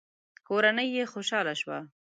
کورنۍ يې خوشاله شوه.